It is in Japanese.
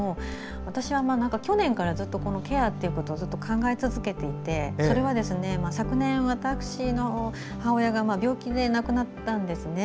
私は、去年からずっとこのケアっていうことをずっと考え続けていて昨年、私の母親が病気で亡くなったんですね。